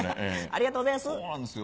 ありがとうございます。